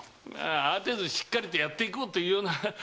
「あわてずしっかりとやっていこう」というような。